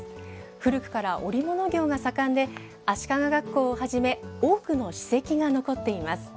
古くから織物業が盛んで、足利学校をはじめ、多くの史跡が残っています。